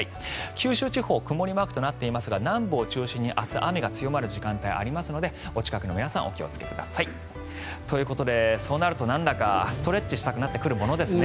九州地方、曇りマークとなっていますが南部を中心に明日雨が強まる時間帯があるのでお近くの皆さんお気をつけください。ということでそうなるとなんだかストレッチしたくなってくるものですね。